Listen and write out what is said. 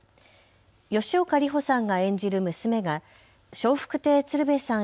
吉岡里帆さんが演じる娘が笑福亭鶴瓶さん